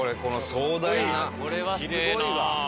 これはすごいわ。